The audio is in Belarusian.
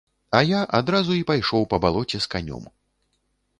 А я адразу і пайшоў па балоце з канём.